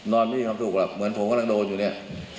ไม่มีความสุขหรอกเหมือนผมกำลังโดนอยู่เนี่ย